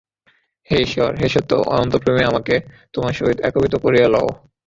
হে ঈশ্বর, হে সত্য, অনন্ত প্রেমে আমাকে তোমার সহিত একীভূত করিয়া লও।